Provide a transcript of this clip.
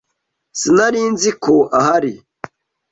Sinari nzi ko ahari.